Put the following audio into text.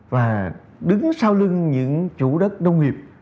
và đứng sau lưng những chủ đất đông nghiệp